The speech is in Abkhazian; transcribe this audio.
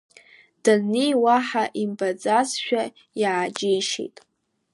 Даннеи, уаҳа имбаӡацшәа иааџьеишьеит…